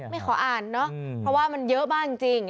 ไม่ขออ่านเนอะเพราะว่ามันเยอะมากจริง